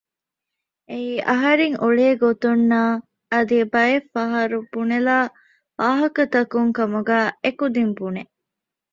އެއީ އަހަރެން އުޅޭ ގޮތުންނާ އަދި ބައެއް ފަހަރު ބުނެލާ ވާހަކަތަކުން ކަމުގައި އެ ކުދިން ބުނެ